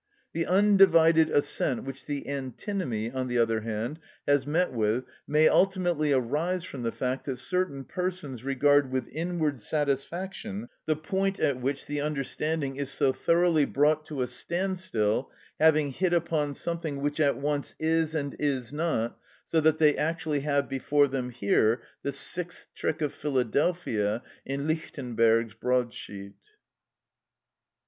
The undivided assent which the antinomy, on the other hand, has met with may ultimately arise from the fact that certain persons regard with inward satisfaction the point at which the understanding is so thoroughly brought to a standstill, having hit upon something which at once is and is not, so that they actually have before them here the sixth trick of Philadelphia in Lichtenberg's broadsheet.